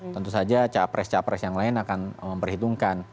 tentu saja cawapres cawapres yang lain akan memperhitungkan